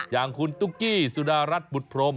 อย่างคุณตุ๊กกี้สุดารัฐบุตรพรม